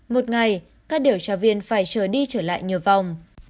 một ngày các điều tra viên phải chờ đi trở lại nhiều vòng